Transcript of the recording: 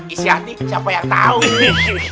isi hati siapa yang tahu